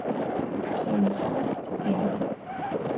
Seuls Frost et al.